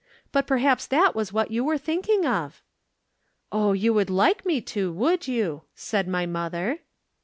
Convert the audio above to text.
But perhaps that was what you were thinking of.' "'Oh, you would like me to, would you?' said my mother.